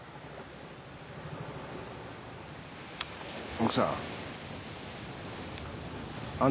奥さん。